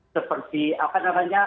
seperti apa namanya